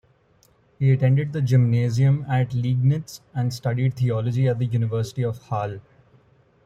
He attended the gymnasium at Liegnitz, and studied theology at the university of Halle.